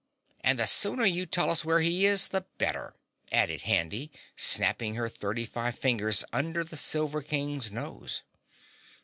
"And the sooner you tell us where he is, the better!" added Handy, snapping her thirty five fingers under the Silver King's nose.